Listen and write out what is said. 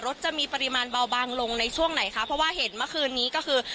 จะมีปริมาณเบาบางลงในช่วงไหนคะเพราะว่าเห็นเมื่อคืนนี้ก็คือ